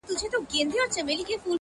چي اشرف د مخلوقاتو د سبحان دی -